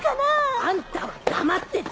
あんたは黙ってて！